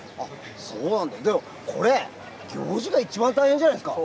でもこれ、行司が一番大変じゃないですか？